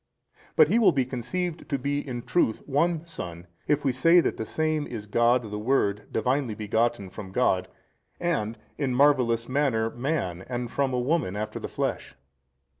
But He will be conceived to be in truth One Son, if we say that the Same is God the |278 Word Divinely begotten from God, and in marvellous manner man and from a woman after the flesh.